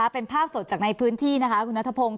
เป็นภาพสดจากในพื้นที่นะคะคุณนัทพงศ์